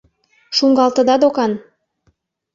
Шуҥгалтыда докан...